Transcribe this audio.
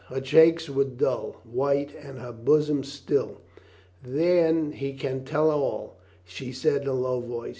Her cheeks were dull white and her bosom still. "Then he can tell all," she said in a low voice.